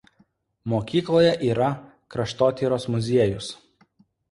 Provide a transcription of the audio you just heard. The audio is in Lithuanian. Mokykloje yra kraštotyros muziejus.